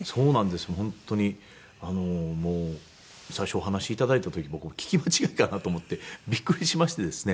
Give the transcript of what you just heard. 本当にもう最初お話頂いた時僕聞き間違いかなと思ってびっくりしましてですね。